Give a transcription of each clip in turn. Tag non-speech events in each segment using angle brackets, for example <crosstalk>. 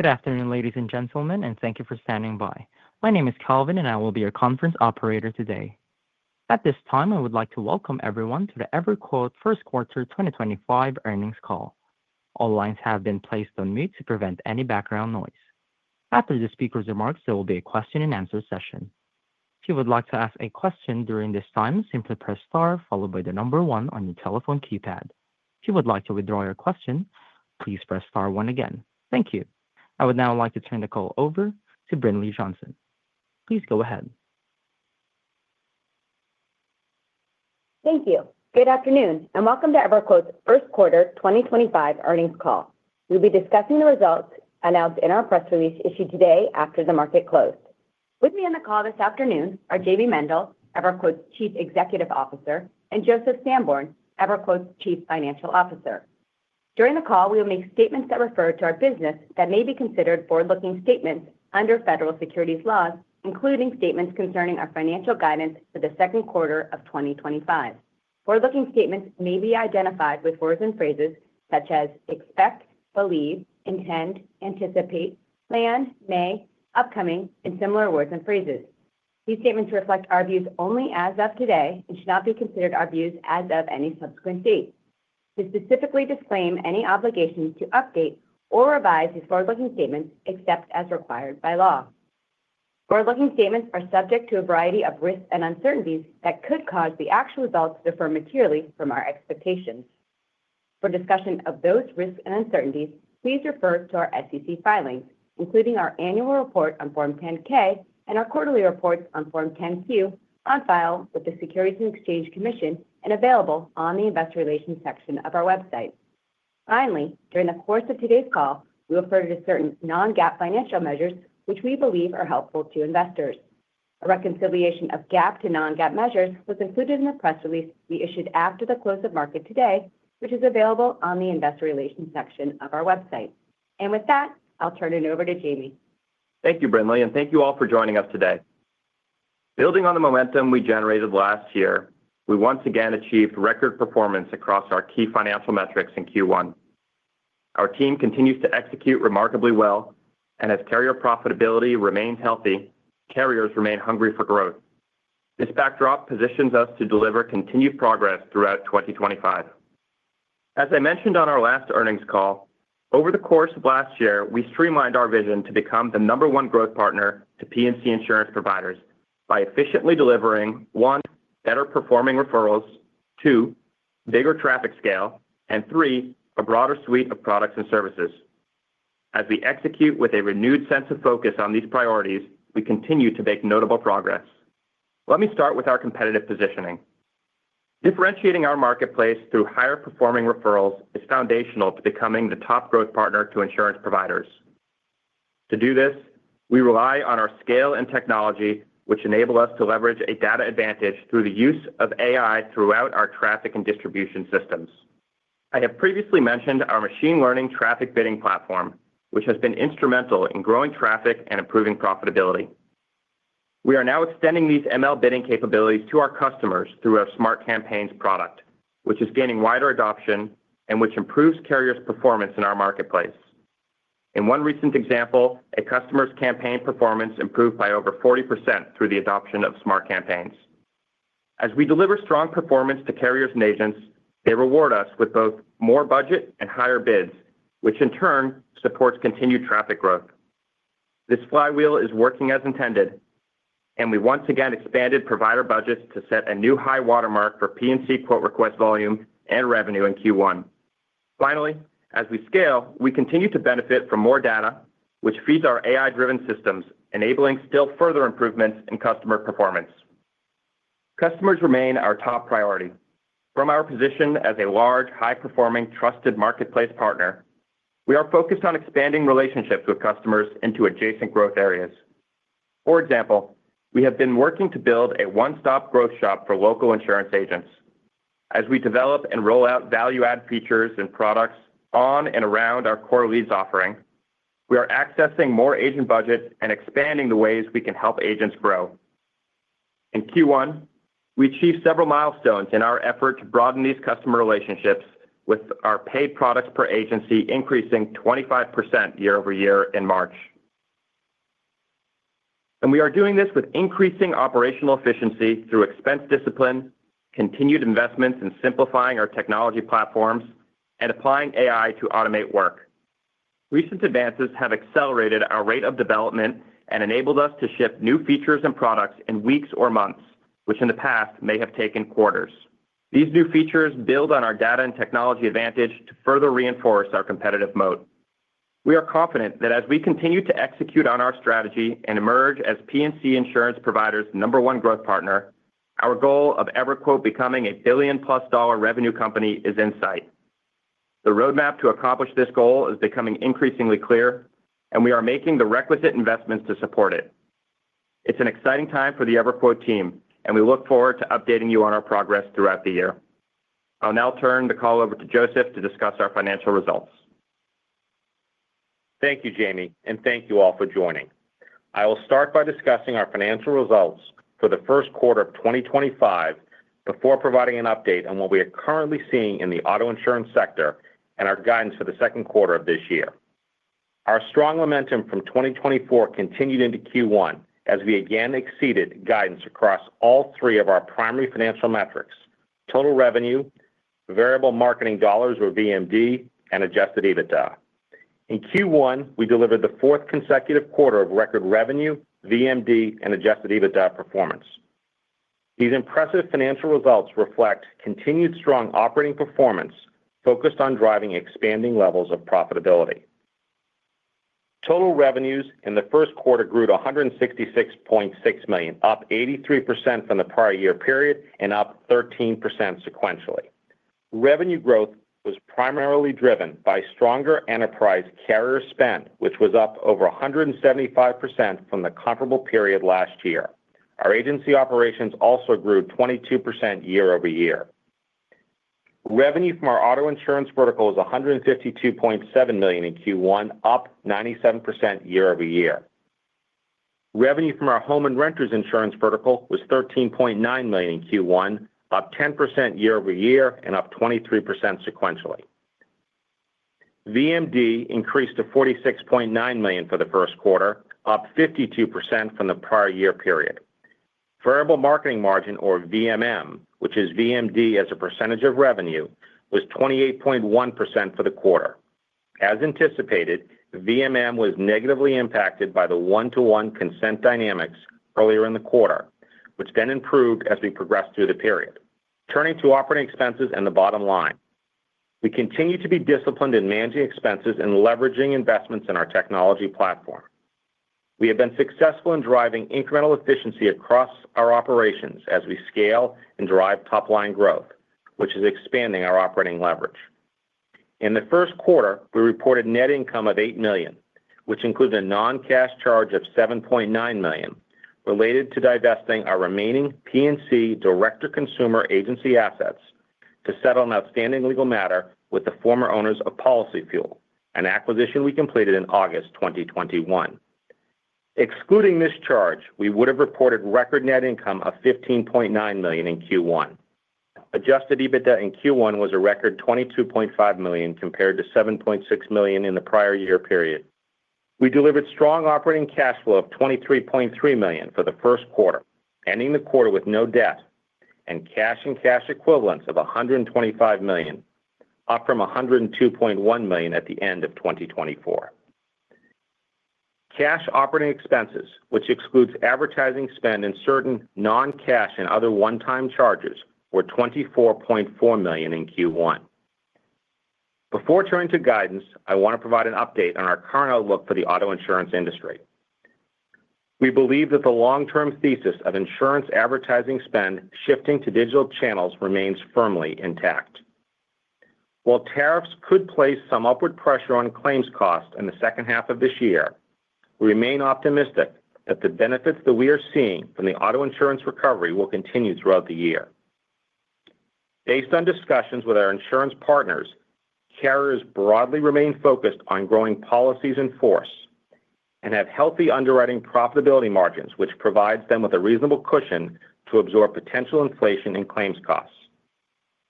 Good afternoon, ladies and gentlemen, and thank you for standing by. My name is Calvin, and I will be your conference operator today. At this time, I would like to welcome everyone to the EverQuote First Quarter 2025 Earnings Call. All lines have been placed on mute to prevent any background noise. After the speaker's remarks, there will be a question-and-answer session. If you would like to ask a question during this time, simply press star followed by the number one on your telephone keypad. If you would like to withdraw your question, please press star one again. Thank you. I would now like to turn the call over to Brinlea Johnson. Please go ahead. Thank you. Good afternoon, and welcome to EverQuote's First Quarter 2025 Earnings Call. We'll be discussing the results announced in our press release issued today after the market closed. With me on the call this afternoon are Jayme Mendal, EverQuote's Chief Executive Officer and Joseph Sanborn, EverQuote's Chief Financial Officer. During the call, we will make statements that refer to our business that may be considered forward-looking statements under federal securities laws, including statements concerning our financial guidance for the second quarter of 2025. Forward-looking statements may be identified with words and phrases such as expect, believe, intend, anticipate, plan, may, upcoming, and similar words and phrases. These statements reflect our views only as of today and should not be considered our views as of any subsequent date. We specifically disclaim any obligation to update or revise these forward-looking statements except as required by law. Forward-looking statements are subject to a variety of risks and uncertainties that could cause the actual results to differ materially from our expectations. For discussion of those risks and uncertainties, please refer to our SEC filings, including our annual report on Form 10-K and our quarterly reports on Form 10-Q on file with the Securities and Exchange Commission and available on the Investor Relations section of our website. Finally, during the course of today's call, we refer to certain non-GAAP financial measures which we believe are helpful to investors. A reconciliation of GAAP to non-GAAP measures was included in the press release we issued after the close of market today, which is available on the Investor Relations section of our website. With that, I'll turn it over to Jayme. Thank you, Brinlea, and thank you all for joining us today. Building on the momentum we generated last year, we once again achieved record performance across our key financial metrics in Q1. Our team continues to execute remarkably well, and as carrier profitability remains healthy, carriers remain hungry for growth. This backdrop positions us to deliver continued progress throughout 2025. As I mentioned on our last earnings call, over the course of last year, we streamlined our vision to become the number one growth partner to P&C insurance providers by efficiently delivering, one, better-performing referrals; two, bigger traffic scale; and three, a broader suite of products and services. As we execute with a renewed sense of focus on these priorities, we continue to make notable progress. Let me start with our competitive positioning. Differentiating our marketplace through higher-performing referrals is foundational to becoming the top growth partner to insurance providers. To do this, we rely on our scale and technology, which enable us to leverage a data advantage through the use of AI throughout our traffic and distribution systems. I have previously mentioned our machine learning traffic bidding platform, which has been instrumental in growing traffic and improving profitability. We are now extending these ML bidding capabilities to our customers through our Smart Campaigns product which is gaining wider adoption and which improves carriers' performance in our marketplace. In one recent example, a customer's campaign performance improved by over 40% through the adoption of Smart Campaigns. As we deliver strong performance to carriers and agents, they reward us with both more budget and higher bids, which in turn supports continued traffic growth. This flywheel is working as intended and we once again expanded provider budgets to set a new high watermark for P&C quote request volume and revenue in Q1. Finally, as we scale, we continue to benefit from more data, which feeds our AI-driven systems, enabling still further improvements in customer performance. Customers remain our top priority. From our position as a large, high-performing, trusted marketplace partner, we are focused on expanding relationships with customers into adjacent growth areas. For example, we have been working to build a one-stop growth shop for local insurance agents. As we develop and roll out value-add features and products on and around our core leads offering, we are accessing more agent budgets and expanding the ways we can help agents grow. In Q1, we achieved several milestones in our effort to broaden these customer relationships, with our paid products per agency increasing 25% year-over-year in March. We are doing this with increasing operational efficiency through expense discipline, continued investments in simplifying our technology platforms, and applying AI to automate work. Recent advances have accelerated our rate of development and enabled us to ship new features and products in weeks or months, which in the past may have taken quarters. These new features build on our data and technology advantage to further reinforce our competitive moat. We are confident that as we continue to execute on our strategy and emerge as P&C insurance providers' number one growth partner, our goal of EverQuote becoming a billion-plus dollar revenue company is in sight. The roadmap to accomplish this goal is becoming increasingly clear, and we are making the requisite investments to support it. It's an exciting time for the EverQuote team, and we look forward to updating you on our progress throughout the year. I'll now turn the call over to Joseph to discuss our financial results. Thank you, Jayme, and thank you all for joining. I will start by discussing our financial results for the first quarter of 2025 before providing an update on what we are currently seeing in the auto insurance sector and our guidance for the second quarter of this year. Our strong momentum from 2024 continued into Q1 as we again exceeded guidance across all three of our primary financial metrics: total revenue, variable marketing dollars or VMD, and adjusted EBITDA. In Q1, we delivered the fourth consecutive quarter of record revenue, VMD, and adjusted EBITDA performance. These impressive financial results reflect continued strong operating performance focused on driving expanding levels of profitability. Total revenues in the first quarter grew to $166.6 million, up 83% from the prior year period and up 13% sequentially. Revenue growth was primarily driven by stronger enterprise carrier spend, which was up over 175% from the comparable period last year. Our agency operations also grew 22% year-over-year. Revenue from our auto insurance vertical was $152.7 million in Q1 up 97% year-over-year. Revenue from our home and renters insurance vertical was $13.9 million in Q1 up 10% year-over-year and up 23% sequentially. VMD increased to $46.9 million for the first quarter up 52% from the prior year period. Variable marketing margin, or VMM, which is VMD as a percentage of revenue was 28.1% for the quarter. As anticipated, VMM was negatively impacted by the one-to-one consent dynamics earlier in the quarter, which then improved as we progressed through the period. Turning to operating expenses and the bottom line, we continue to be disciplined in managing expenses and leveraging investments in our technology platform. We have been successful in driving incremental efficiency across our operations as we scale and drive top-line growth, which is expanding our operating leverage. In the first quarter, we reported net income of $8 million, which includes a non-cash charge of $7.9 million related to divesting our remaining P&C direct-to-consumer agency assets to settle an outstanding legal matter with the former owners of PolicyFuel, an acquisition we completed in August 2021. Excluding this charge, we would have reported record net income of $15.9 million in Q1. Adjusted EBITDA in Q1 was a record $22.5 million compared to $7.6 million in the prior year period. We delivered strong operating cash flow of $23.3 million for the first quarter, ending the quarter with no debt, and cash and cash equivalents of $125 million up from $102.1 million at the end of 2024. Cash operating expenses, which excludes advertising spend and certain non-cash and other one-time charges, were $24.4 million in Q1. Before turning to guidance, I want to provide an update on our current outlook for the auto insurance industry. We believe that the long-term thesis of insurance advertising spend shifting to digital channels remains firmly intact. While tariffs could place some upward pressure on claims costs in the second half of this year, we remain optimistic that the benefits that we are seeing from the auto insurance recovery will continue throughout the year. Based on discussions with our insurance partners, carriers broadly remain focused on growing policies in force and have healthy underwriting profitability margins, which provides them with a reasonable cushion to absorb potential inflation in claims costs.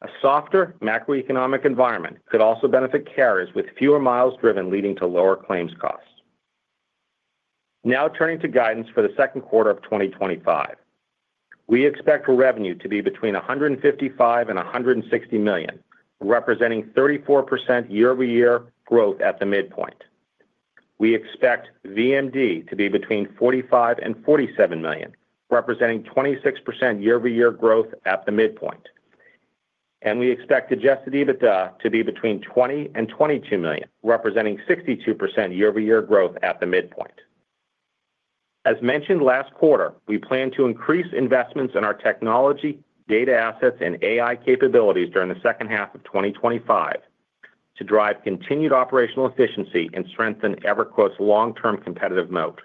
A softer macroeconomic environment could also benefit carriers with fewer miles driven, leading to lower claims costs. Now turning to guidance for the second quarter of 2025, we expect revenue to be between $155 million and $160 million, representing 34% year-over-year growth at the midpoint. We expect VMD to be between $45 million and $47 million, representing 26% year-over-year growth at the midpoint. We expect adjusted EBITDA to be between $20 million and $22 million, representing 62% year-over-year growth at the midpoint. As mentioned last quarter, we plan to increase investments in our technology, data assets, and AI capabilities during the second half of 2025 to drive continued operational efficiency and strengthen EverQuote's long-term competitive moat.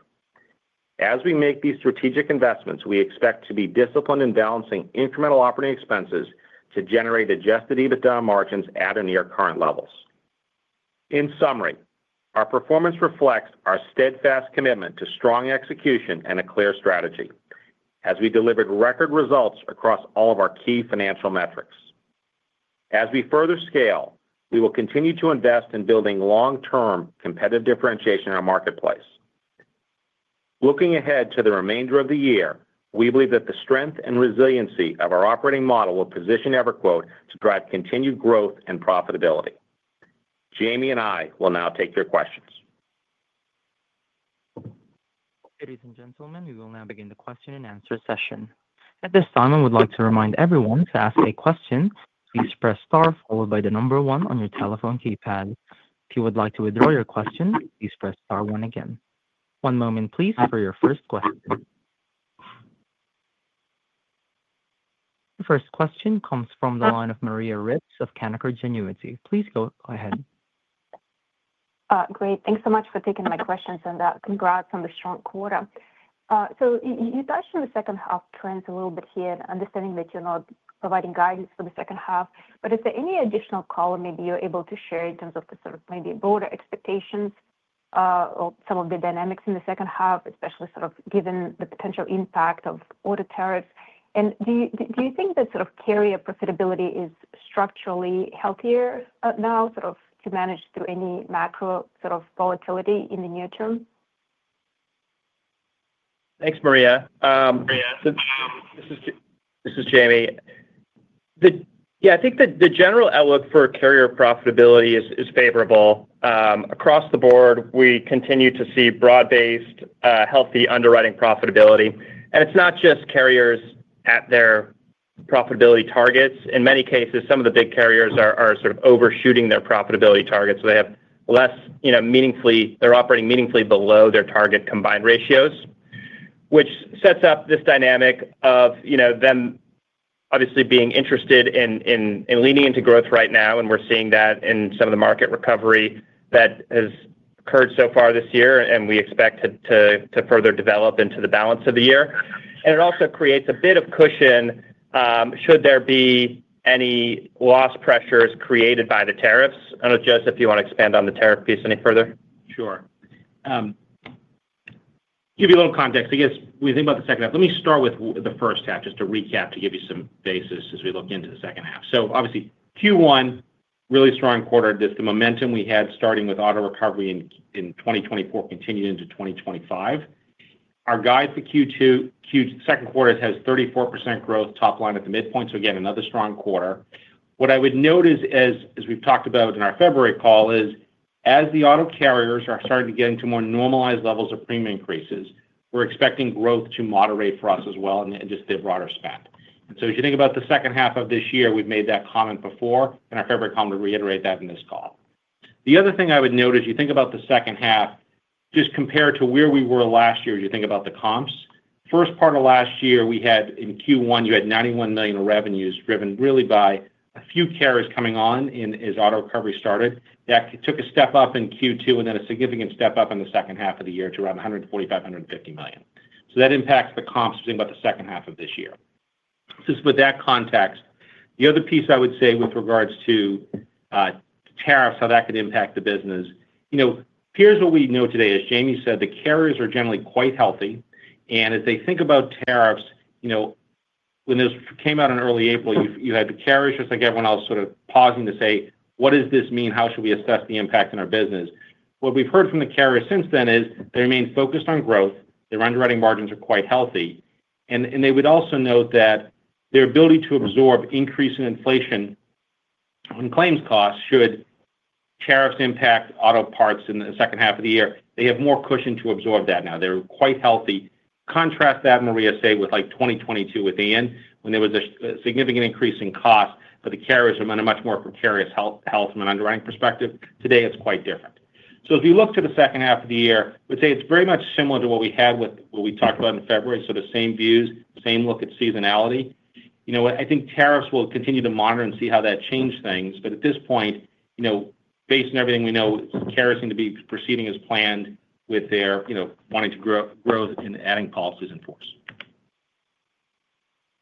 As we make these strategic investments, we expect to be disciplined in balancing incremental operating expenses to generate adjusted EBITDA margins at or near current levels. In summary, our performance reflects our steadfast commitment to strong execution and a clear strategy, as we delivered record results across all of our key financial metrics. As we further scale, we will continue to invest in building long-term competitive differentiation in our marketplace. Looking ahead to the remainder of the year, we believe that the strength and resiliency of our operating model will position EverQuote to drive continued growth and profitability. Jayme and I will now take your questions. Ladies and gentlemen, we will now begin the question-and-answer session. At this time, I would like to remind everyone to ask a question. Please press star followed by the number one on your telephone keypad. If you would like to withdraw your question, please press star one again. One moment, please, for your first question. The first question comes from the line of Maria Ripps of Canaccord Genuity. Please go ahead. Great. Thanks so much for taking my questions, and congrats on the strong quarter. You touched on the second-half trends a little bit here, understanding that you're not providing guidance for the second half. Is there any additional color maybe you're able to share in terms of the sort of maybe broader expectations or some of the dynamics in the second half, especially sort of given the potential impact of auto tariffs? Do you think that sort of carrier profitability is structurally healthier now sort of to manage through any macro sort of volatility in the near term? Thanks, Maria. Maria. <crosstalk> This is Jayme. Yeah, I think that the general outlook for carrier profitability is favorable. Across the board, we continue to see broad-based, healthy underwriting profitability. It is not just carriers at their profitability targets. In many cases, some of the big carriers are sort of overshooting their profitability targets. They are operating meaningfully below their target combined ratios, which sets up this dynamic of them obviously being interested in leaning into growth right now. We are seeing that in some of the market recovery that has occurred so far this year, and we expect to further develop into the balance of the year. It also creates a bit of cushion should there be any loss pressures created by the tariffs. I do not know, Joseph, if you want to expand on the tariff piece any further. Sure. Give you a little context. I guess we think about the second half. Let me start with the first half just to recap, to give you some basis as we look into the second half. Obviously, Q1, really strong quarter. The momentum we had starting with auto recovery in 2024 continued into 2025. Our guide for Q2, second quarter, has 34% growth top line at the midpoint. Again, another strong quarter. What I would note is, as we've talked about in our February call, is as the auto carriers are starting to get into more normalized levels of premium increases, we're expecting growth to moderate for us as well in just the broader span. As you think about the second half of this year, we've made that comment before. In our February call, we reiterate that in this call. The other thing I would note as you think about the second half, just compared to where we were last year as you think about the comps, first part of last year, in Q1, you had $91 million in revenues driven really by a few carriers coming on as auto recovery started. That took a step up in Q2 and then a significant step up in the second half of the year to around $145-$150 million. That impacts the comps as we think about the second half of this year. Just with that context, the other piece I would say with regards to tariffs, how that could impact the business, here's what we know today. As Jayme said, the carriers are generally quite healthy. As they think about tariffs, when this came out in early April, you had the carriers, just like everyone else, sort of pausing to say, "What does this mean? How should we assess the impact on our business?" What we've heard from the carriers since then is they remain focused on growth their underwriting margins are quite healthy. They would also note that their ability to absorb increasing inflation on claims costs should tariffs impact auto parts in the second half of the year, they have more cushion to absorb that now. They're quite healthy. Contrast that, Maria, say, with like 2022 when there was a significant increase in cost, but the carriers were in a much more precarious health from an underwriting perspective. Today, it's quite different. As we look to the second half of the year, I would say it's very much similar to what we had with what we talked about in February. The same views, same look at seasonality. I think tariffs will continue to monitor and see how that changes things. At this point, based on everything we know, carriers seem to be proceeding as planned with their wanting to grow and adding policies in force.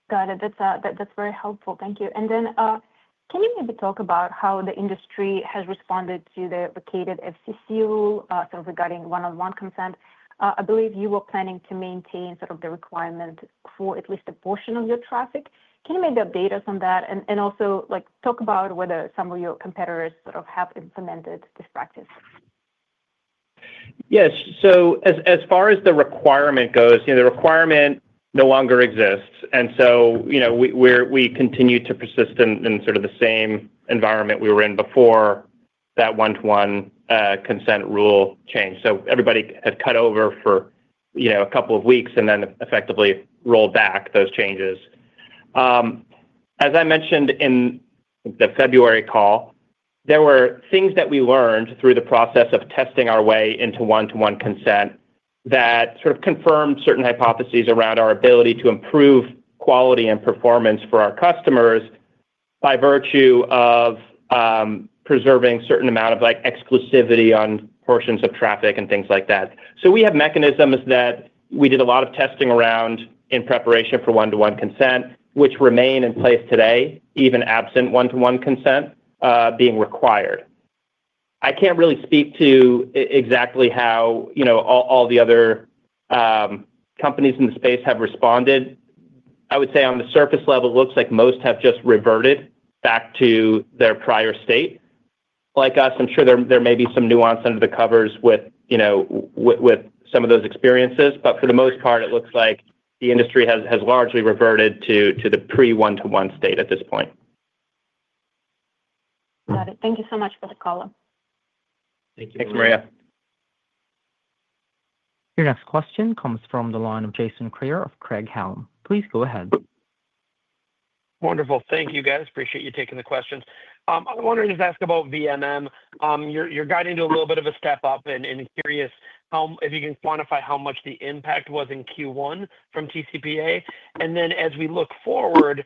Got it. That's very helpful. Thank you. Can you maybe talk about how the industry has responded to the vacated FCC rule regarding one-on-one consent? I believe you were planning to maintain sort of the requirement for at least a portion of your traffic. Can you maybe update us on that and also talk about whether some of your competitors sort of have implemented this practice? Yes. As far as the requirement goes, the requirement no longer exists. We continue to persist in sort of the same environment we were in before that one-to-one consent rule change. Everybody had cut over for a couple of weeks and then effectively rolled back those changes. As I mentioned in the February call, there were things that we learned through the process of testing our way into one-to-one consent that sort of confirmed certain hypotheses around our ability to improve quality and performance for our customers by virtue of preserving a certain amount of exclusivity on portions of traffic and things like that. We have mechanisms that we did a lot of testing around in preparation for one-to-one consent, which remain in place today, even absent one-to-one consent being required. I can't really speak to exactly how all the other companies in the space have responded. I would say on the surface level, it looks like most have just reverted back to their prior state. Like us, I'm sure there may be some nuance under the covers with some of those experiences. For the most part, it looks like the industry has largely reverted to the pre-one-to-one state at this point. Got it. Thank you so much for the call. Thank you. <crosstalk> Thanks, Maria. <crosstalk> Your next question comes from the line of Jason Kreyer of Craig-Hallum. Please go ahead. Wonderful. Thank you, guys. Appreciate you taking the questions. I wanted to just ask about VMM. You're guiding to a little bit of a step up and curious if you can quantify how much the impact was in Q1 from TCPA. As we look forward,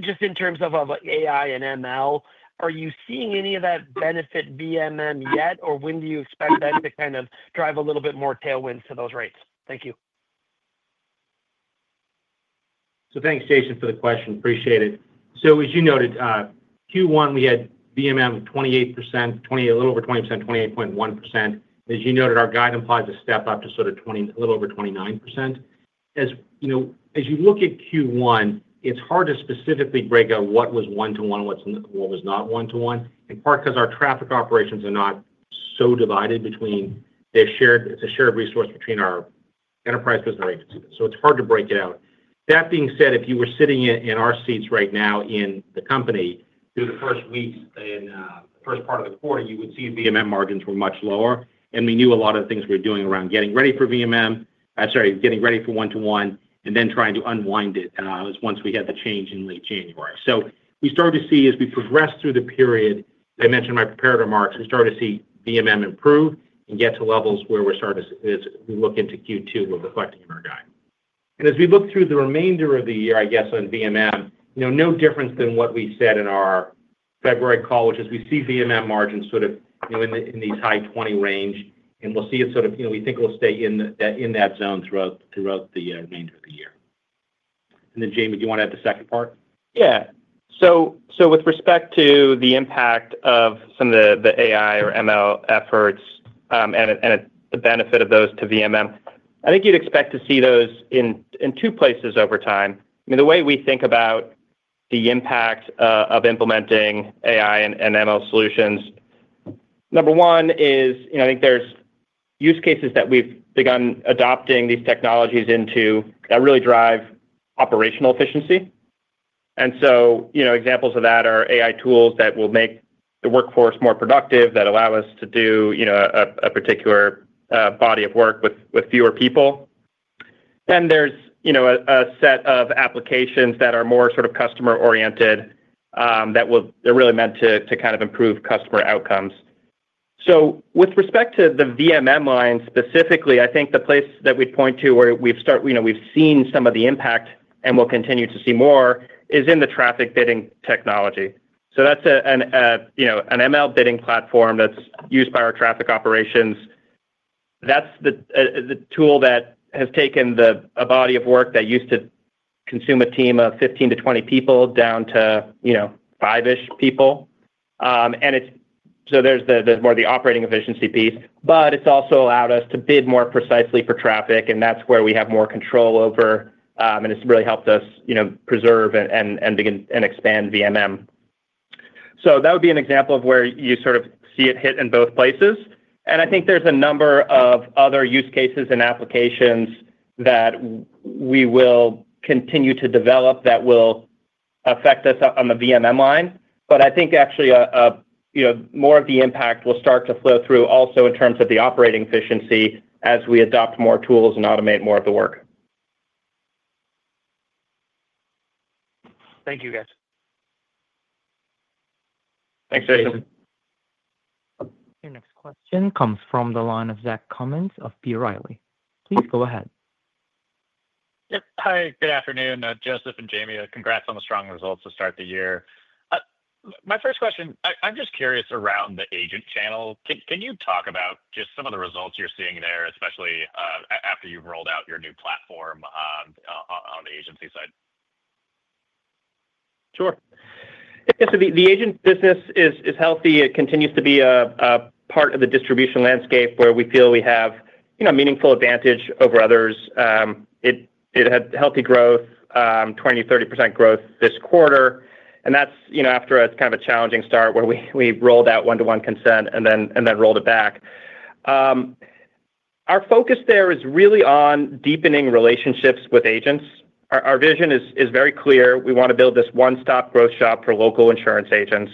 just in terms of AI and ML, are you seeing any of that benefit VMM yet, or when do you expect that to kind of drive a little bit more tailwinds to those rates? Thank you. Thanks, Jason, for the question. Appreciate it. As you noted, Q1, we had VMM at 28%, a little over 28%, 28.1%. As you noted, our guide implies a step up to sort of a little over 29%. As you look at Q1, it's hard to specifically break out what was one-to-one and what was not one-to-one, in part because our traffic operations are not so divided between—it's a shared resource between our enterprise business agency. It's hard to break it out. That being said, if you were sitting in our seats right now in the company through the first weeks in the first part of the quarter, you would see VMM margins were much lower. We knew a lot of the things we were doing around getting ready for VMM, sorry, getting ready for one-to-one, and then trying to unwind it once we had the change in late January. We started to see as we progressed through the period, as I mentioned in my preparatory remarks, we started to see VMM improve and get to levels where we're starting to look into Q2 reflecting in our guide. As we look through the remainder of the year, I guess, on VMM, no difference than what we said in our February call, which is we see VMM margins sort of in this high 20% range. We think it will stay in that zone throughout the remainder of the year. Jayme, do you want to add the second part? Yeah. With respect to the impact of some of the AI or ML efforts and the benefit of those to VMM, I think you'd expect to see those in two places over time. I mean, the way we think about the impact of implementing AI and ML solutions, number one is I think there's use cases that we've begun adopting these technologies into that really drive operational efficiency. Examples of that are AI tools that will make the workforce more productive, that allow us to do a particular body of work with fewer people. Then there's a set of applications that are more sort of customer-oriented that are really meant to kind of improve customer outcomes. With respect to the VMM line specifically, I think the place that we'd point to where we've seen some of the impact and will continue to see more is in the traffic bidding technology. That's an ML bidding platform that's used by our traffic operations. That's the tool that has taken a body of work that used to consume a team of 15-20 people down to 5-ish people. There's more of the operating efficiency piece. It's also allowed us to bid more precisely for traffic, and that's where we have more control over, and it's really helped us preserve and expand VMM. That would be an example of where you sort of see it hit in both places. I think there's a number of other use cases and applications that we will continue to develop that will affect us on the VMM line. I think actually more of the impact will start to flow through also in terms of the operating efficiency as we adopt more tools and automate more of the work. Thank you, guys. Thanks, Jason. Your next question comes from the line of Zach Cummins of B Riley. Please go ahead. Yep. Hi. Good afternoon, Joseph and Jayme. Congrats on the strong results to start the year. My first question, I'm just curious around the agent channel. Can you talk about just some of the results you're seeing there, especially after you've rolled out your new platform on the agency side? Sure. Yeah. The agent business is healthy. It continues to be a part of the distribution landscape where we feel we have a meaningful advantage over others. It had healthy growth, 20%-30% growth this quarter. That is after a kind of a challenging start where we rolled out one-to-one consent and then rolled it back. Our focus there is really on deepening relationships with agents. Our vision is very clear. We want to build this one-stop growth shop for local insurance agents.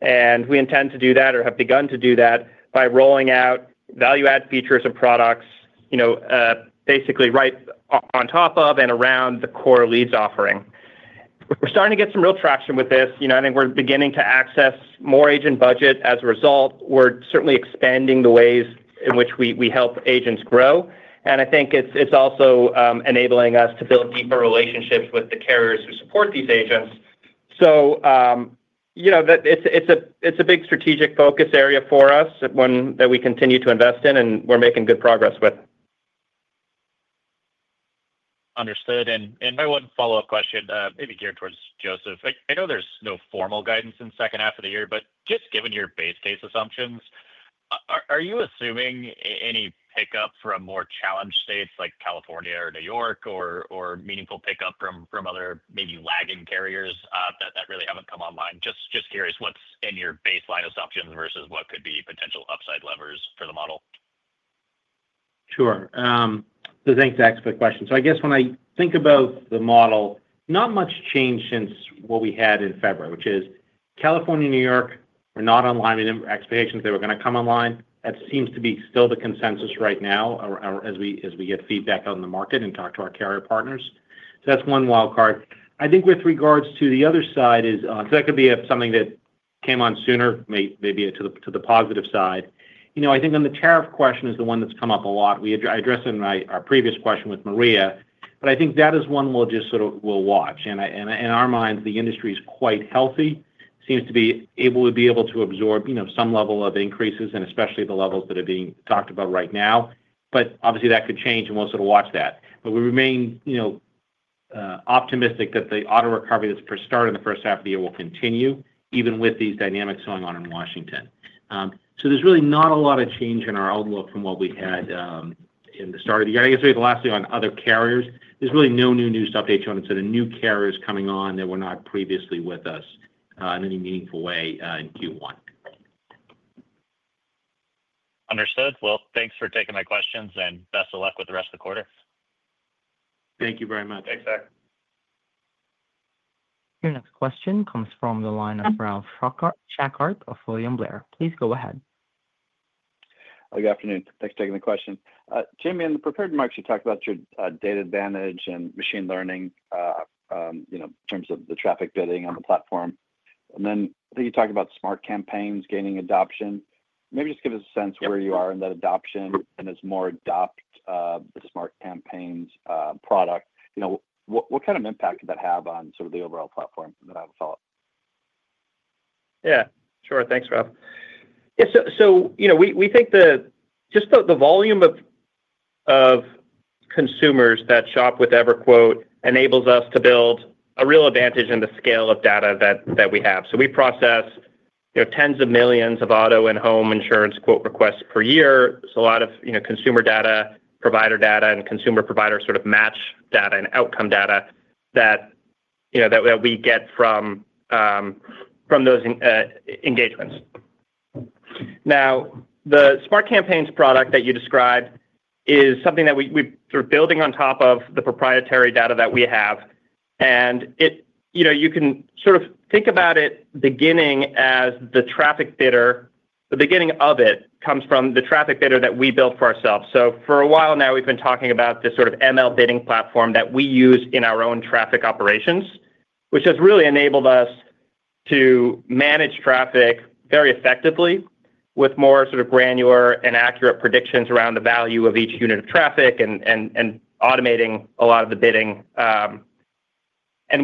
We intend to do that or have begun to do that by rolling out value-add features and products basically right on top of and around the core leads offering. We are starting to get some real traction with this. I think we are beginning to access more agent budget as a result. We are certainly expanding the ways in which we help agents grow. I think it's also enabling us to build deeper relationships with the carriers who support these agents. It is a big strategic focus area for us that we continue to invest in and we're making good progress with. Understood. My one follow-up question, maybe geared towards Joseph. I know there's no formal guidance in the second half of the year, but just given your base case assumptions, are you assuming any pickup from more challenged states like California or New York or meaningful pickup from other maybe lagging carriers that really haven't come online? Just curious what's in your baseline assumptions versus what could be potential upside levers for the model. Sure. Thanks, Zach, for the question. I guess when I think about the model, not much changed since what we had in February, which is California, New York were not online with expectations they were going to come online. That seems to be still the consensus right now as we get feedback on the market and talk to our carrier partners that is one wildcard. I think with regards to the other side, that could be something that came on sooner, maybe to the positive side. I think on the tariff question, that is the one that has come up a lot. I addressed it in our previous question with Maria, but I think that is one we will just sort of watch. In our minds, the industry is quite healthy, seems to be able to absorb some level of increases, and especially the levels that are being talked about right now. Obviously, that could change, and we'll sort of watch that. We remain optimistic that the auto recovery that's starting in the first half of the year will continue even with these dynamics going on in Washington. There's really not a lot of change in our outlook from what we had in the start of the year. I guess maybe the last thing on other carriers, there's really no new news to update you on. It's that a new carrier is coming on that were not previously with us in any meaningful way in Q1. Understood. Thanks for taking my questions, and best of luck with the rest of the quarter. Thank you very much. <crosstalk> Thanks, Zach. <crosstalk> Your next question comes from the line of Ralph Schackart of William Blair. Please go ahead. Good afternoon. Thanks for taking the question. Jayme, in the preparatory remarks, you talked about your data advantage and machine learning in terms of the traffic bidding on the platform. I think you talked about Smart Campaigns gaining adoption. Maybe just give us a sense where you are in that adoption and as more adopt the Smart Campaigns product. What kind of impact could that have on sort of the overall platform? I have a follow-up. Yeah. Sure. Thanks, Ralph. Yeah. We think just the volume of consumers that shop with EverQuote enables us to build a real advantage in the scale of data that we have. We process tens of millions of auto and home insurance quote requests per year. There's a lot of consumer data, provider data, and consumer-provider sort of match data and outcome data that we get from those engagements. Now, the Smart Campaigns product that you described is something that we're building on top of the proprietary data that we have. You can sort of think about it beginning as the traffic bidder. The beginning of it comes from the traffic bidder that we built for ourselves. For a while now, we've been talking about this sort of ML bidding platform that we use in our own traffic operations, which has really enabled us to manage traffic very effectively with more sort of granular and accurate predictions around the value of each unit of traffic and automating a lot of the bidding.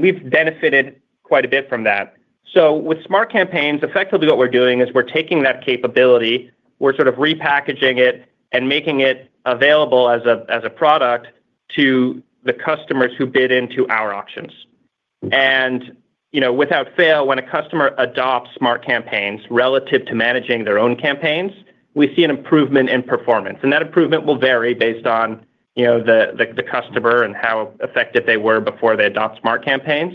We've benefited quite a bit from that. With Smart Campaigns, effectively what we're doing is we're taking that capability, we're sort of repackaging it, and making it available as a product to the customers who bid into our auctions. Without fail, when a customer adopts Smart Campaigns relative to managing their own campaigns, we see an improvement in performance that improvement will vary based on the customer and how effective they were before they adopt Smart Campaigns.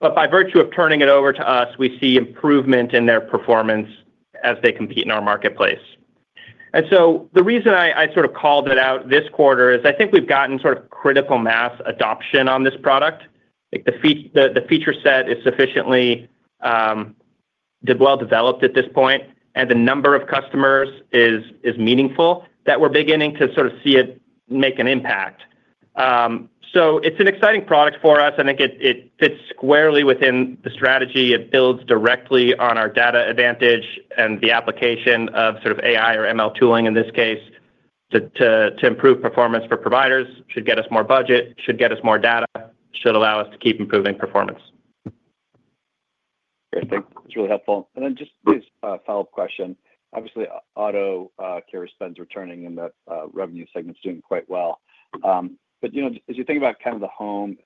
By virtue of turning it over to us, we see improvement in their performance as they compete in our marketplace. The reason I sort of called it out this quarter is I think we've gotten sort of critical mass adoption on this product. The feature set is sufficiently well developed at this point, and the number of customers is meaningful that we're beginning to sort of see it make an impact. It is an exciting product for us. I think it fits squarely within the strategy. It builds directly on our data advantage and the application of sort of AI or ML tooling in this case to improve performance for providers, should get us more budget, should get us more data, should allow us to keep improving performance. Great. Thanks. That's really helpful. Just a follow-up question. Obviously, auto carrier spend is returning, and that revenue segment is doing quite well. As you think about kind of the home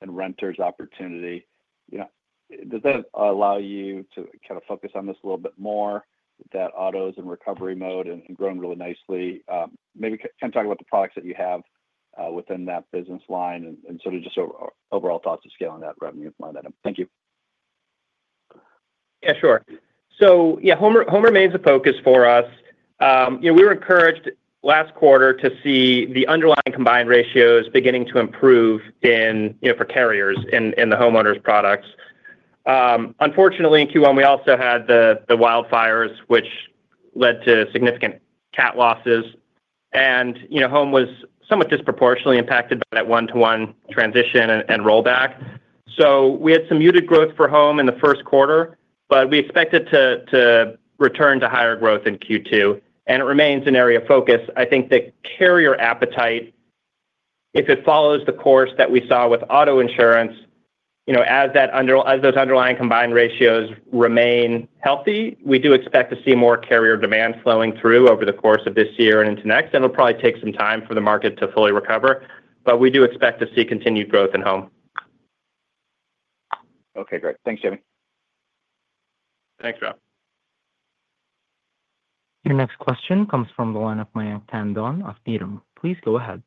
and renters opportunity, does that allow you to kind of focus on this a little bit more? That auto is in recovery mode and growing really nicely. Maybe kind of talk about the products that you have within that business line and sort of just overall thoughts of scaling that revenue line item. Thank you. Yeah. Sure. Yeah, home remains a focus for us. We were encouraged last quarter to see the underlying combined ratios beginning to improve for carriers in the homeowners' products. Unfortunately, in Q1, we also had the wildfires, which led to significant cat losses. Home was somewhat disproportionately impacted by that one-to-one transition and rollback. We had some muted growth for home in the first quarter, but we expect it to return to higher growth in Q2. It remains an area of focus. I think the carrier appetite, if it follows the course that we saw with auto insurance, as those underlying combined ratios remain healthy, we do expect to see more carrier demand flowing through over the course of this year and into next. It will probably take some time for the market to fully recover. We do expect to see continued growth in home. Okay. Great. Thanks, Jayme. Thanks, Ralph. Your next question comes from the line of Mayank Tandon of Needham. Please go ahead.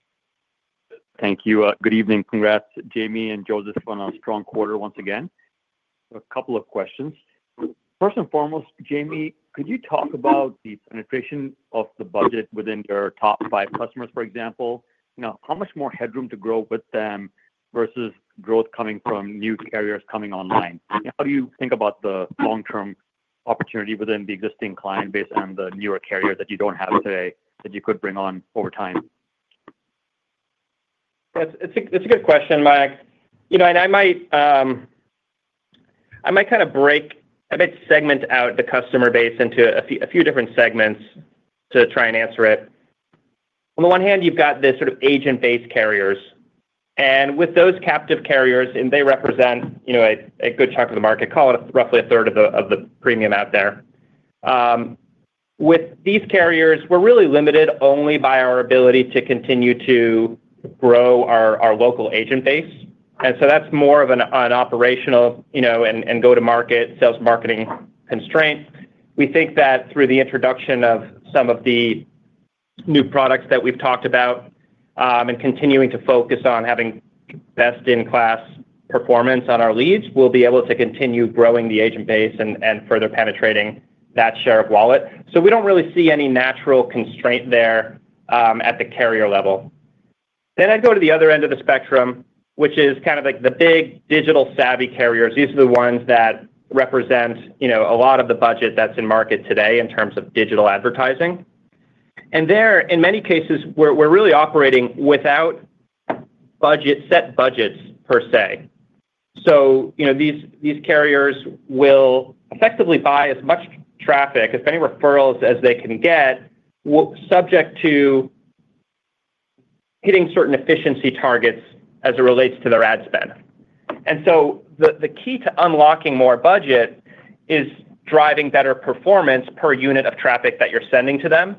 Thank you. Good evening. Congrats, Jayme and Joseph, on a strong quarter once again. A couple of questions. First and foremost, Jayme, could you talk about the penetration of the budget within your top five customers, for example? How much more headroom to grow with them versus growth coming from new carriers coming online? How do you think about the long-term opportunity within the existing client base and the newer carriers that you do not have today that you could bring on over time? It's a good question, Mayank. I might segment out the customer base into a few different segments to try and answer it. On the one hand, you've got the sort of agent-based carriers. With those captive carriers, and they represent a good chunk of the market, call it roughly a third of the premium out there. With these carriers, we're really limited only by our ability to continue to grow our local agent base. That's more of an operational and go-to-market sales marketing constraint. We think that through the introduction of some of the new products that we've talked about and continuing to focus on having best-in-class performance on our leads, we'll be able to continue growing the agent base and further penetrating that share of wallet. We don't really see any natural constraint there at the carrier level. I would go to the other end of the spectrum, which is kind of like the big digital-savvy carriers. These are the ones that represent a lot of the budget that's in market today in terms of digital advertising. There, in many cases, we're really operating without set budgets per se. So, these carriers will effectively buy as much traffic, as many referrals as they can get, subject to hitting certain efficiency targets as it relates to their ad spend. The key to unlocking more budget is driving better performance per unit of traffic that you're sending to them.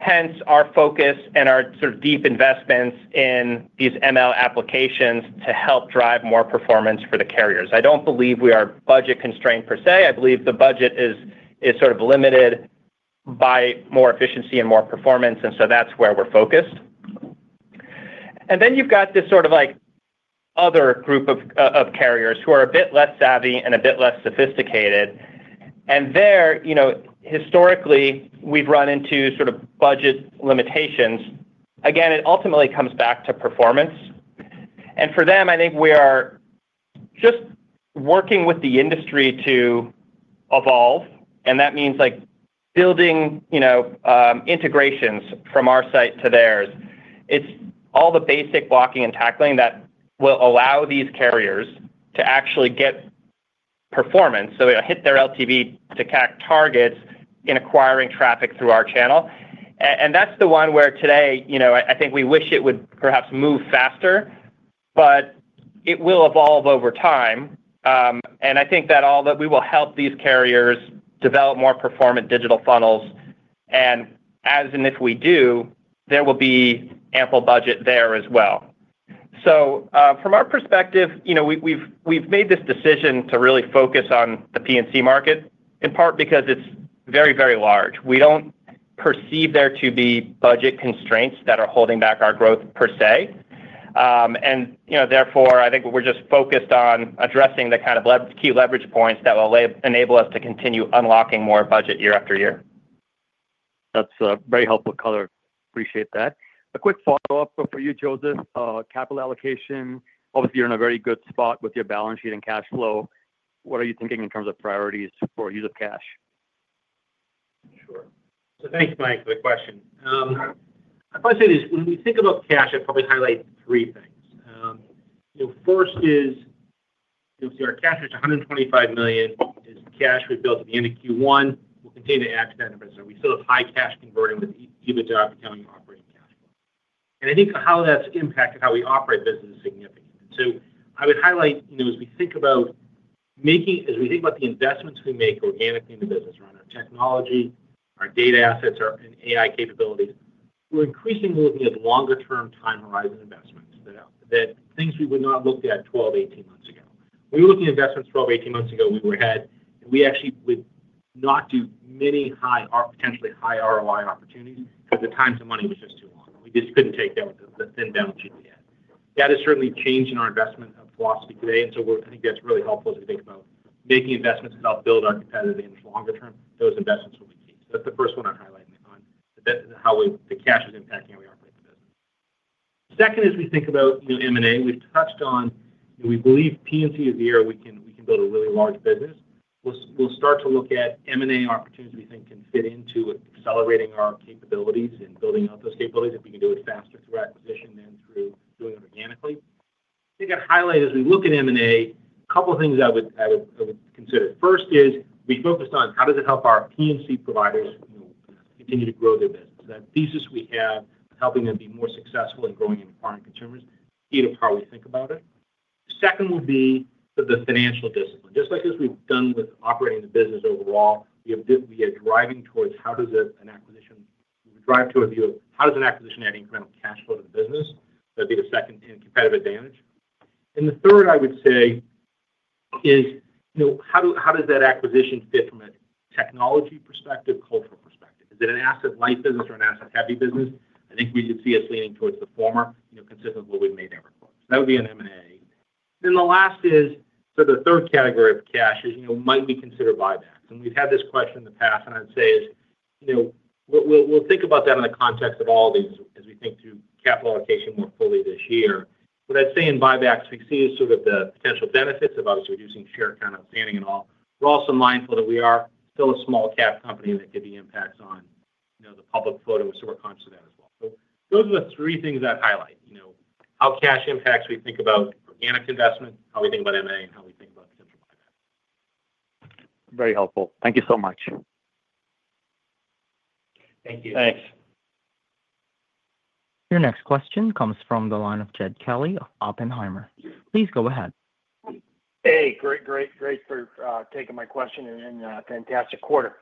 Hence, our focus and our sort of deep investments in these ML applications to help drive more performance for the carriers. I don't believe we are budget constrained per se. I believe the budget is sort of limited by more efficiency and more performance that is where we are focused. You have this sort of other group of carriers who are a bit less savvy and a bit less sophisticated. There, historically, we have run into sort of budget limitations. Again, it ultimately comes back to performance. For them, I think we are just working with the industry to evolve. That means building integrations from our site to theirs. It is all the basic blocking and tackling that will allow these carriers to actually get performance so they will hit their LTV to CAC targets in acquiring traffic through our channel. That is the one where today, I think we wish it would perhaps move faster, but it will evolve over time. I think that we will help these carriers develop more performant digital funnels. As and if we do, there will be ample budget there as well. From our perspective, we've made this decision to really focus on the P&C market in part because it's very, very large. We don't perceive there to be budget constraints that are holding back our growth per se. Therefore, I think we're just focused on addressing the kind of key leverage points that will enable us to continue unlocking more budget year after year. That's very helpful color. Appreciate that. A quick follow-up for you, Joseph. Capital allocation, obviously, you're in a very good spot with your balance sheet and cash flow. What are you thinking in terms of priorities for use of cash? Sure. Thanks, Mayank, for the question. I'd probably say this: when we think about cash, I'd probably highlight three things. First is, our cash is $125 million. It's cash we built at the end of Q1. We'll continue to add to that investment. We still have high cash converting with EBITDA becoming our operating cash flow. I think how that's impacted how we operate business is significant. I would highlight, as we think about the investments we make organically in the business around our technology, our data assets, and AI capabilities, we're increasingly looking at longer-term time horizon investments, things we would not have looked at 12, 18 months ago. We were looking at investments 12, 18 months ago we were ahead, and we actually would not do many potentially high ROI opportunities because the times of money was just too long. We just could not take that balance sheet we had. That has certainly changed in our investment philosophy today. I think that is really helpful as we think about making investments that help build our competitive advantage longer term. Those investments will be key. That is the first one I am highlighting on how the cash is impacting how we operate the business. Second, as we think about M&A, we have touched on we believe P&C is the year we can build a really large business. We will start to look at M&A opportunities that we think can fit into accelerating our capabilities and building out those capabilities if we can do it faster through acquisition than through doing it organically. I think I'd highlight, as we look at M&A, a couple of things I would consider. First is we focused on how does it help our P&C providers continue to grow their business. That thesis we have of helping them be more successful in growing and acquiring consumers is key to how we think about it. Second would be the financial discipline. Just like as we've done with operating the business overall, we are driving towards how does an acquisition we drive towards the view of how does an acquisition add incremental cash flow to the business. That'd be the second in competitive advantage. The third, I would say, is how does that acquisition fit from a technology perspective, cultural perspective? Is it an asset-light business or an asset-heavy business? I think we would see us leaning towards the former, consistent with what we've made in EverQuote. That would be an M&A. The last is sort of the third category of cash: might we consider buybacks? We've had this question in the past. I'd say we'll think about that in the context of all these as we think through capital allocation more fully this year. What I'd say in buybacks we see is sort of the potential benefits of obviously reducing share count outstanding and all. We're also mindful that we are still a small cap company that could be impacts on the public float, so we're conscious of that as well. Those are the three things I'd highlight: how cash impacts we think about organic investment, how we think about M&A, and how we think about potential buybacks. Very helpful. Thank you so much. Thank you. <crosstalk> Thanks. Your next question comes from the line of Jed Kelly of Oppenheimer. Please go ahead. Hey. Great, great, great for taking my question in a fantastic quarter.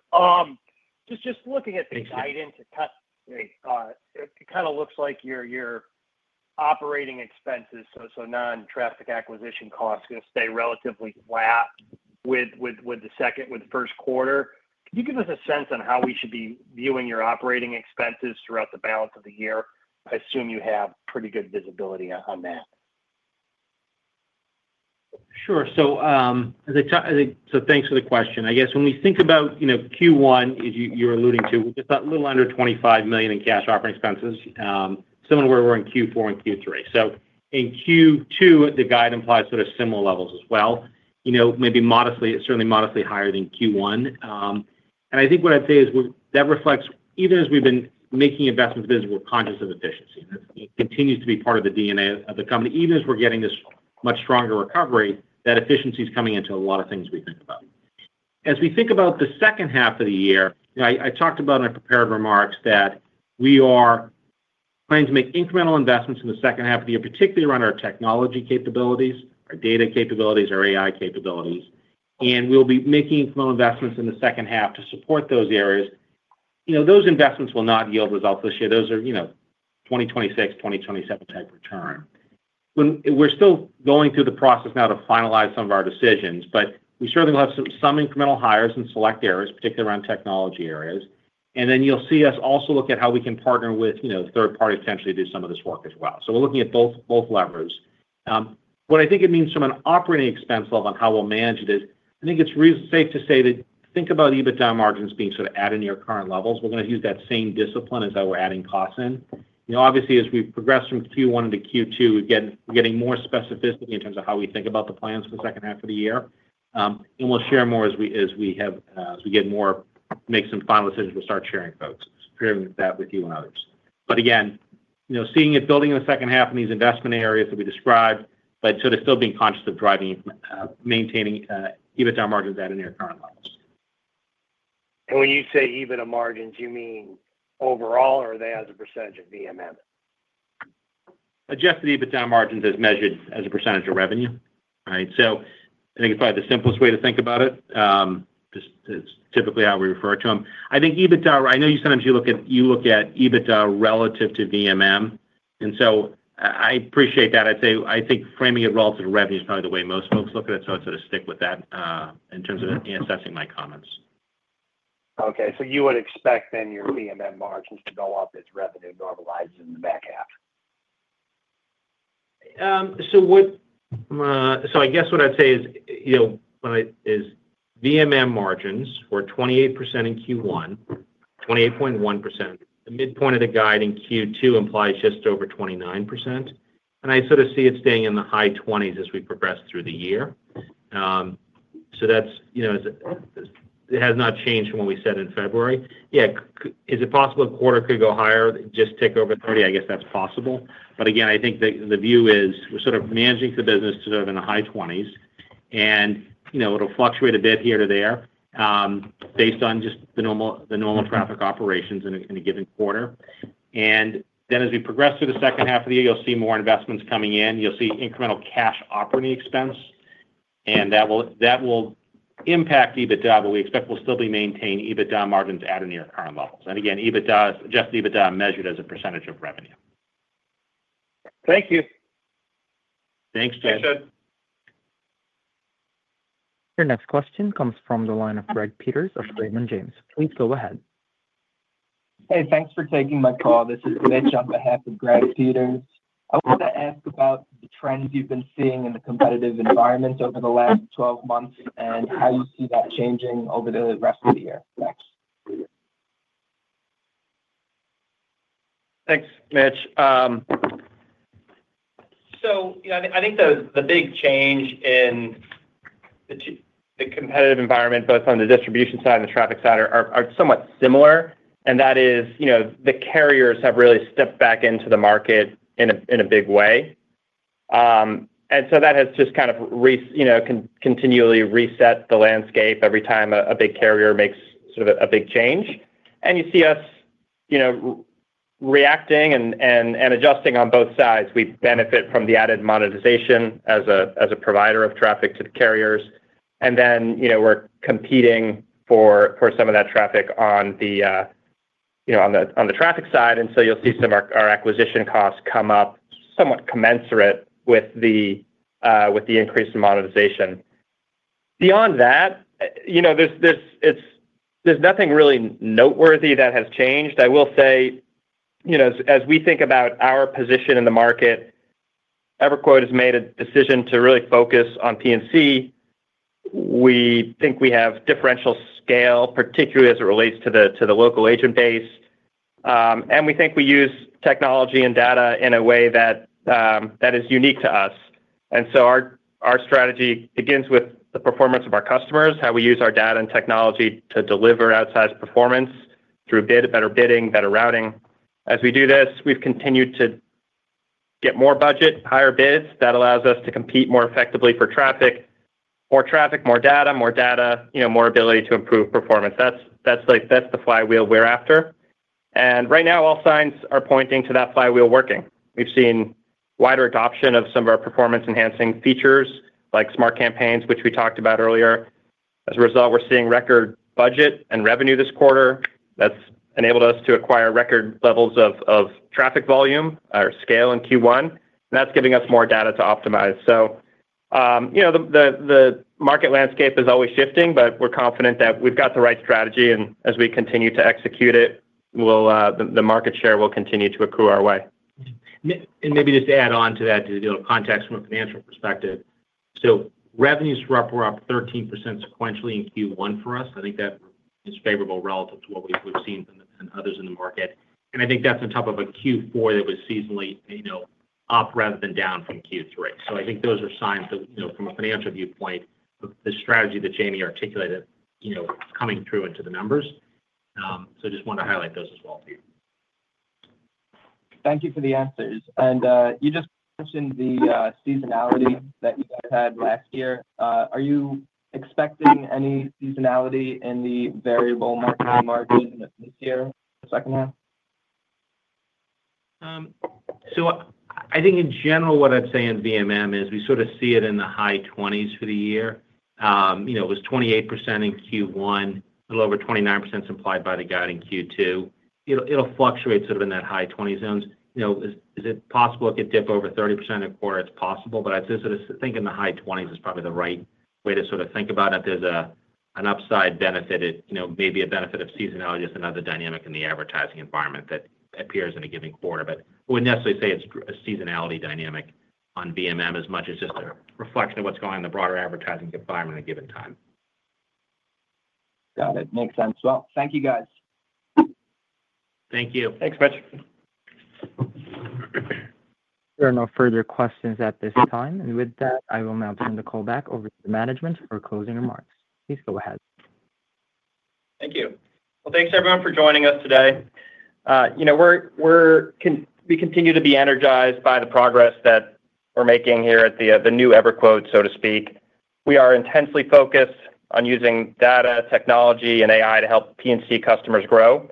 Just looking at the guidance, it kind of looks like your operating expenses, so non-traffic acquisition costs, are going to stay relatively flat with the first quarter. Can you give us a sense on how we should be viewing your operating expenses throughout the balance of the year? I assume you have pretty good visibility on that. Sure. Thanks for the question. I guess when we think about Q1, as you were alluding to, we're just a little under $25 million in cash operating expenses, similar to where we were in Q4 and Q3. In Q2, the guide implies sort of similar levels as well, maybe certainly modestly higher than Q1. I think what I'd say is that reflects, even as we've been making investments, we're conscious of efficiency. It continues to be part of the DNA of the company. Even as we're getting this much stronger recovery, that efficiency is coming into a lot of things we think about. As we think about the second half of the year, I talked about in prepared remarks that we are planning to make incremental investments in the second half of the year, particularly around our technology capabilities, our data capabilities, our AI capabilities. We will be making incremental investments in the second half to support those areas. Those investments will not yield results this year. Those are 2026, 2027 type return. We are still going through the process now to finalize some of our decisions, but we certainly will have some incremental hires in select areas, particularly around technology are as. You will see us also look at how we can partner with third parties potentially to do some of this work as well. We are looking at both levers. What I think it means from an operating expense level and how we will manage it is I think it is safe to say that think about EBITDA margins being sort of adding to your current levels. We are going to use that same discipline as how we are adding costs in. Obviously, as we progress from Q1 into Q2, we're getting more specificity in terms of how we think about the plans for the second half of the year. We'll share more as we get more to make some final decisions. We'll start sharing with folks, sharing that with you and others. Again, seeing it building in the second half in these investment areas that we described, but sort of still being conscious of maintaining EBITDA margins at near current levels. When you say EBITDA margins, you mean overall, or are they as a percentage of VMM? Adjusted EBITDA margins as measured as a percentage of revenue, right? I think it's probably the simplest way to think about it. It's typically how we refer to them. I think EBITDA, I know you sometimes you look at EBITDA relative to VMM. I appreciate that. I'd say I think framing it relative to revenue is probably the way most folks look at it. I'd sort of stick with that in terms of assessing my comments. Okay. So you would expect then your VMM margins to go up as revenue normalizes in the back half? I guess what I'd say is VMM margins were 28% in Q1, 28.1%. The midpoint of the guide in Q2 implies just over 29%. I sort of see it staying in the high 20s as we progress through the year. It has not changed from what we said in February. Yeah. Is it possible a quarter could go higher, just tick over 30%? I guess that's possible. Again, I think the view is we're sort of managing the business to sort of in the high 20s. It'll fluctuate a bit here to there based on just the normal traffic operations in a given quarter. As we progress through the second half of the year, you'll see more investments coming in. You'll see incremental cash operating expense. That will impact EBITDA, but we expect we'll still be maintaining EBITDA margins at near current levels. Again, adjusted EBITDA measured as a percentage of revenue. Thank you. Thanks, Jay. <crosstalk> Appreciate it. Your next question comes from the line of Greg Peters of Raymond James. Please go ahead. Hey, thanks for taking my call. This is Mitch on behalf of Greg Peters. I wanted to ask about the trends you've been seeing in the competitive environment over the last 12 months and how you see that changing over the rest of the year. Thanks. Thanks, Mitch. I think the big change in the competitive environment, both on the distribution side and the traffic side, are somewhat similar. That is, the carriers have really stepped back into the market in a big way. That has just kind of continually reset the landscape every time a big carrier makes sort of a big change. You see us reacting and adjusting on both sides. We benefit from the added monetization as a provider of traffic to the carriers. Then we're competing for some of that traffic on the traffic side. You'll see some of our acquisition costs come up somewhat commensurate with the increase in monetization. Beyond that, there's nothing really noteworthy that has changed. I will say, as we think about our position in the market, EverQuote has made a decision to really focus on P&C. We think we have differential scale, particularly as it relates to the local agent base. We think we use technology and data in a way that is unique to us. Our strategy begins with the performance of our customers, how we use our data and technology to deliver outsized performance through better bidding, better routing. As we do this, we've continued to get more budget, higher bids. That allows us to compete more effectively for traffic, more traffic, more data, more data, more ability to improve performance. That's the flywheel we're after. Right now, all signs are pointing to that flywheel working. We've seen wider adoption of some of our performance-enhancing features like Smart Campaigns, which we talked about earlier. As a result, we're seeing record budget and revenue this quarter. That's enabled us to acquire record levels of traffic volume or scale in Q1. That's giving us more data to optimize. The market landscape is always shifting, but we're confident that we've got the right strategy. As we continue to execute it, the market share will continue to accrue our way. Maybe just to add on to that, to deal with context from a financial perspective, revenues were up 13% sequentially in Q1 for us. I think that is favorable relative to what we've seen from others in the market. I think that's on top of a Q4 that was seasonally up rather than down from Q3. I think those are signs that, from a financial viewpoint, the strategy that Jayme articulated is coming through into the numbers. I just wanted to highlight those as well for you. Thank you for the answers. You just mentioned the seasonality that you guys had last year. Are you expecting any seasonality in the Variable Marketing Margins this year, the second half? I think, in general, what I'd say on VMM is we sort of see it in the high 20s for the year. It was 28% in Q1, a little over 29% implied by the guide in Q2. It'll fluctuate sort of in that high 20% zone. Is it possible it could dip over 30% in a quarter? It's possible. I'd say sort of thinking the high 20s is probably the right way to sort of think about it. If there's an upside benefit, maybe a benefit of seasonality, just another dynamic in the advertising environment that appears in a given quarter. I wouldn't necessarily say it's a seasonality dynamic on VMM as much as just a reflection of what's going on in the broader advertising environment at a given time. Got it. Makes sense. Thank you, guys. Thank you. Thanks, Mitch. There are no further questions at this time. With that, I will now turn the call back over to the management for closing remarks. Please go ahead. Thank you. Thanks, everyone, for joining us today. We continue to be energized by the progress that we're making here at the new EverQuote, so to speak. We are intensely focused on using data, technology, and AI to help P&C customers grow.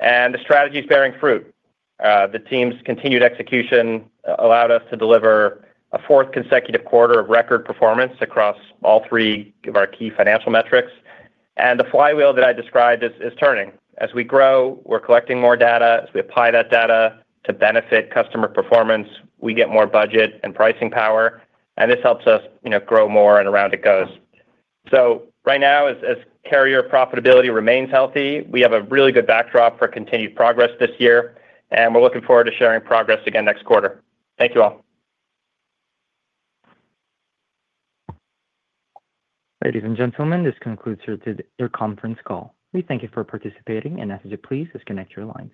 The strategy is bearing fruit. The team's continued execution allowed us to deliver a fourth consecutive quarter of record performance across all three of our key financial metrics. The flywheel that I described is turning. As we grow, we're collecting more data. As we apply that data to benefit customer performance, we get more budget and pricing power. This helps us grow more, and around it goes. Right now, as carrier profitability remains healthy, we have a really good backdrop for continued progress this year. We're looking forward to sharing progress again next quarter. Thank you all. Ladies and gentlemen, this concludes your conference call. We thank you for participating. Please disconnect your lines.